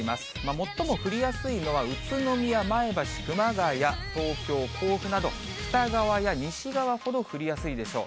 最も降りやすいのは宇都宮、前橋、熊谷、東京、甲府など、北側や西側ほど降りやすいでしょう。